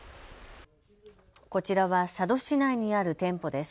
こちらは佐渡市内にある店舗です。